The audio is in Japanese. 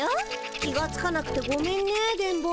気がつかなくてごめんね電ボ。